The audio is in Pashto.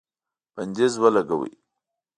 بندیز ولګاوه